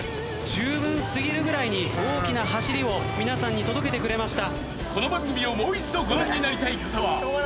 じゅうぶん過ぎるぐらいに大きな走りを皆さんに届けてくれました。